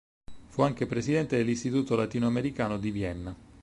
Fu anche presidente dell'istituto latinoamericano di Vienna.